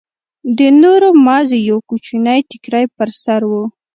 د نورو مازې يو کوچنى ټيکرى پر سر و.